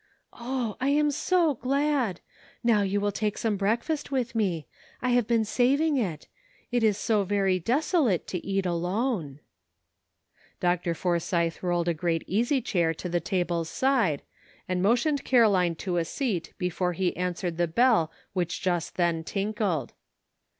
''Oh! I am so glad! Now you will take some breakfast with me ; I have been saving it; it is so very desolate to eat alone." Dr. Forsythe rolled a great easy chair to the table's side and motioned Caroline to a seat before he answered the bell which just then tinkled.